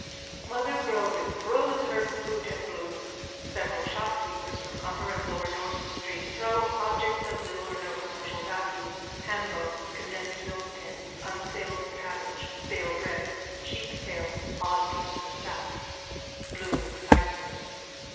_(Mother Grogan throws her boot at Bloom. Several shopkeepers from upper and lower Dorset street throw objects of little or no commercial value, hambones, condensed milk tins, unsaleable cabbage, stale bread, sheep's tails, odd pieces of fat.)_ BLOOM: _(Excitedly.)